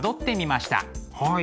はい。